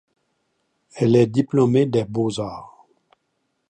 Elle est diplômée des Beaux-arts.